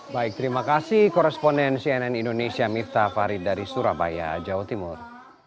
baik terima kasih koresponden cnn indonesia miftah farid dari surabaya jawa timur